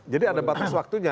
jadi ada batas waktunya